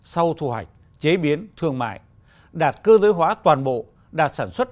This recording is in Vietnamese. sau thu hoạch chế biến thương mại đạt cơ giới hóa toàn bộ đạt sản xuất